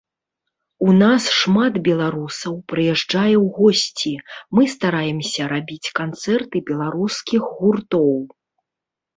У нас шмат беларусаў прыязджае ў госці, мы стараемся рабіць канцэрты беларускіх гуртоў.